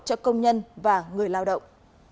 cho công nhân và người lao động